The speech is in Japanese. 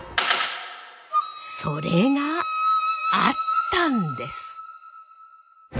それがあったんです！